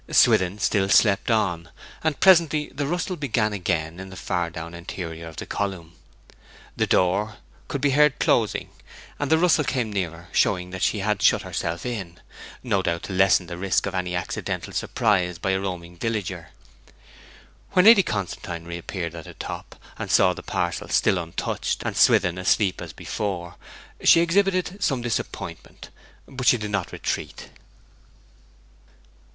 Swithin still slept on, and presently the rustle began again in the far down interior of the column. The door could be heard closing, and the rustle came nearer, showing that she had shut herself in, no doubt to lessen the risk of an accidental surprise by any roaming villager. When Lady Constantine reappeared at the top, and saw the parcel still untouched and Swithin asleep as before, she exhibited some disappointment; but she did not retreat.